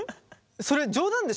それ冗談でしょ？